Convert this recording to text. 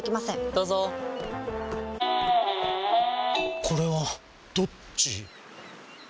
どうぞこれはどっち？